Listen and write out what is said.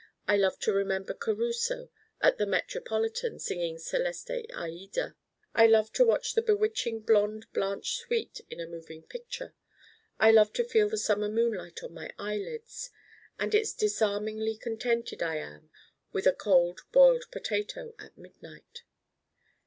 I love to remember Caruso at the Metropolitan singing Celeste Aïda. I love to watch the bewitching blonde Blanche Sweet in a moving picture. I love to feel the summer moonlight on my eyelids. And it's disarmingly contented I am with a Cold Boiled Potato at midnight.